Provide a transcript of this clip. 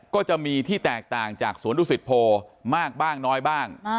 ก็จะมีที่แตกต่างจากสวนดุสิตโพมากบ้างน้อยบ้าง